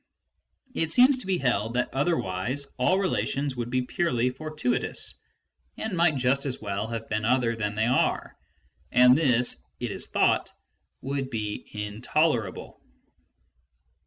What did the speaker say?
It seems to be held that otherwise all relations would be purely fortuitous, and might just as well have been other than they are, and this, it is thought, would be intolerable.